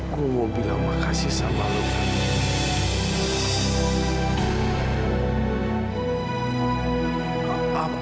gue mau bilang makasih sama lo fadil